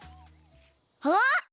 あっ！